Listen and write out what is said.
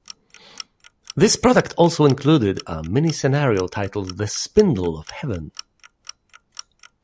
This product also included a mini-scenario titled "The Spindle of Heaven".